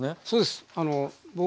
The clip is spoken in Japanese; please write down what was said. そうです。